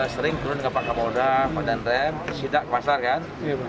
sering turun ke pak kamoda ke padang rem sida ke pasar kan